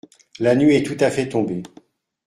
La nuit est tout-à-fait tombée.